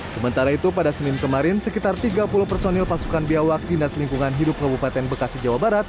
sementara itu pada senin kemarin sekitar tiga puluh personil pasukan biawak dinas lingkungan hidup kabupaten bekasi jawa barat